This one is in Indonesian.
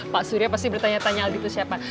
pak surya pasti bertanya tanya aldi itu siapa